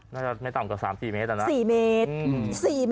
น่าจะไม่ต่ำกว่า๓๔เมตรอ่ะนะอืมอืม